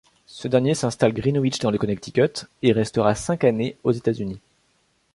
Ce dernier s'installe Greenwich dans le Connecticut et restera cinq années aux États-Unis.